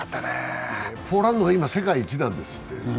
ポーランドが今、世界一なんですって。